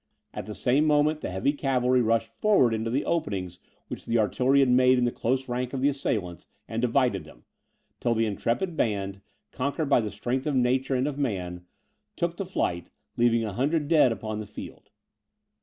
At the same moment, the heavy cavalry rushed forward into the openings which the artillery had made in the close ranks of the assailants, and divided them; till the intrepid band, conquered by the strength of nature and of man, took to flight, leaving a hundred dead upon the field.